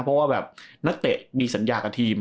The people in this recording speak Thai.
เพราะว่าแบบนักเตะมีสัญญากับทีม